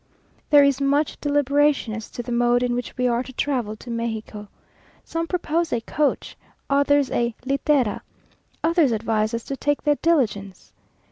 There is much deliberation as to the mode in which we are to travel to Mexico. Some propose a coach, others a litera; others advise us to take the diligence.